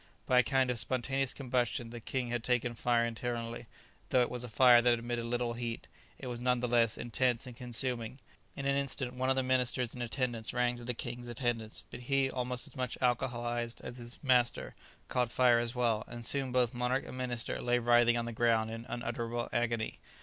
By a kind of spontaneous combustion, the king had taken fire internally; though it was a fire that emitted little heat, it was none the less intense and consuming. In an instant one of the ministers in attendance ran to the king's assistance, but he, almost as much alcoholized as his master, caught fire as well, and soon both monarch and minister lay writhing on the ground in unutterable agony.